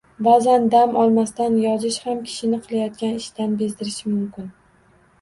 Ba’zan dam olmasdan yozish ham kishini qilayotgan ishidan bezdirishi mumkin